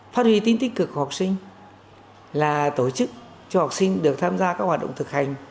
phát huy tính tích cực của học sinh là tổ chức cho học sinh được tham gia các hoạt động thực hành